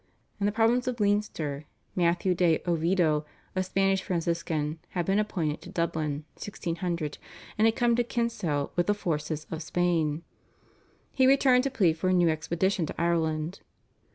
In the province of Leinster Matthew de Oviedo, a Spanish Franciscan, had been appointed to Dublin (1600), and had come to Kinsale with the forces of Spain. He returned to plead for a new expedition to Ireland.